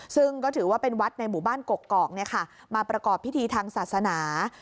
ซึ่งก็ถือว่าเป็นวัดในหมู่บ้านกกอกมาประกอบพิธีทางศาสนา